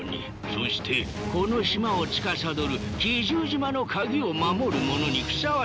そしてこの島をつかさどる奇獣島の鍵を守る者にふさわしい。